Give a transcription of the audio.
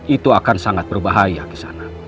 itu akan sangat berbahaya kisana